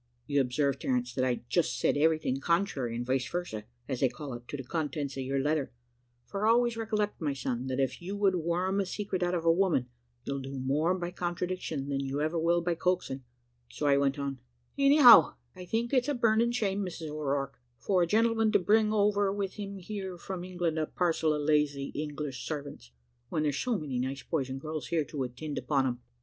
You observe, Terence, that I just said everything contrary and vice versa, as they call it, to the contents of your letter; for always recollect, my son, that if you would worm a secret out of a woman, you'll do more by contradiction than you ever will by coaxing so I went on: `Anyhow, I think it's a burning shame, Mrs O'Rourke, for a gentleman to bring over with him here from England a parcel of lazy English servants, when there's so many nice boys and girls here to attind upon them.'